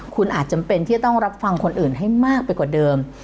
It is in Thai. คุณอาจจำเป็นที่จะต้องรับฟังคนอื่นให้มากไปกว่าเดิม